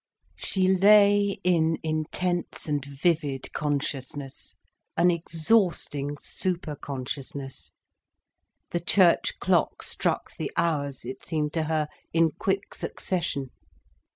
She lay in intense and vivid consciousness, an exhausting superconsciousness. The church clock struck the hours, it seemed to her, in quick succession.